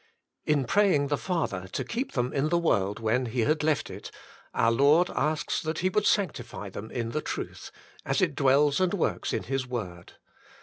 In praying the Father to keep them in the world when he had left it, our Lord asks that He would sanctify them in the truth, as it dwells and works in His word.